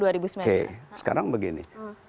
oke sekarang begini